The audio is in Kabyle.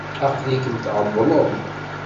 Aql-ikem tεewwleḍ.